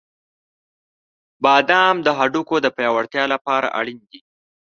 • بادام د هډوکو د پیاوړتیا لپاره اړین دي.